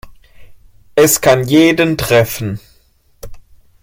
Es kann jeden treffen.